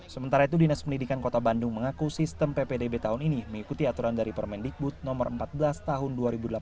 sementara itu dinas pendidikan kota bandung mengaku sistem ppdb tahun ini mengikuti aturan dari permendikbud no empat belas tahun dua ribu delapan belas